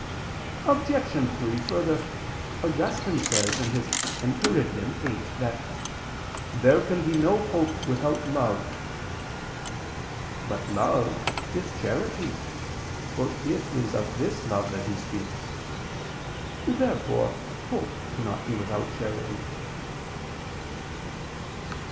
Obj. 3: Further, Augustine says (Enchiridion viii) that "there can be no hope without love." But love is charity: for it is of this love that he speaks. Therefore hope cannot be without charity.